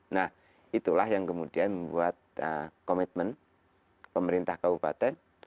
nah itulah yang kemudian membuat komitmen pemerintah kabupaten